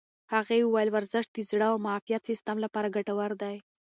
هغې وویل ورزش د زړه او معافیت سیستم لپاره ګټور دی.